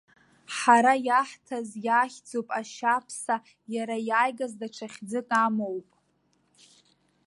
Ҳара иаҳҭаз иахьӡуп ашьаԥса, иара иааигаз даҽа хьӡык амоуп.